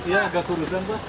ya agak kurusan pak